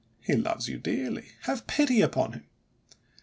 He loves you dearly; have pity upon him!